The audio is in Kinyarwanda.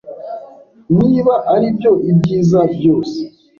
Niba aribyo, ibyiza byose.